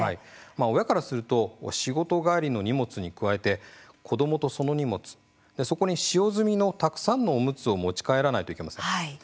親からすると仕事帰りの荷物に加えて子どもとその荷物、そこに使用済みのたくさんのおむつを持ち帰らないといけません。